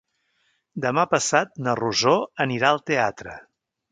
Demà passat na Rosó anirà al teatre.